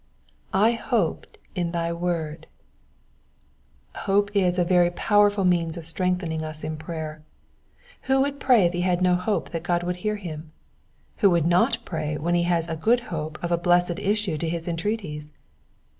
/ hojted in thy word,'*'* Hope is a very powerful means of strengthening us in prayer. Who would pray if he had no hope that God would hear him ? Who would not pray when he has a good hope of a blessed issue to his entreaties